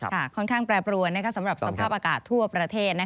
ค่อนข้างแปรปรวนสำหรับสภาพอากาศทั่วประเทศ